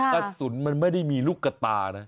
กระสุนมันไม่ได้มีลูกกระตานะ